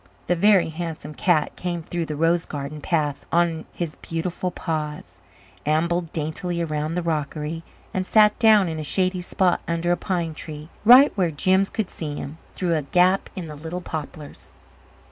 The Very Handsome Cat came through the rose garden paths on his beautiful paws, ambled daintily around the rockery, and sat down in a shady spot under a pine tree, right where Jims could see him, through a gap in the little poplars.